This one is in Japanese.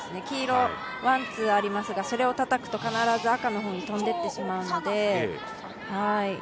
黄色、ワン、ツーありますが、それをたたくと必ず赤の方に飛んでってしまうので。